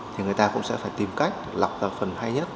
thì người ta cũng sẽ phải tìm cách lọc phần hay nhất